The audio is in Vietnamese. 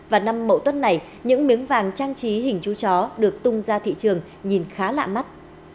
và năm mậu tuất này những miếng vàng trang trí hình chú chó được tung ra thị trường nhìn khá lạ mắt